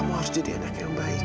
kamu harus jadi anak yang baik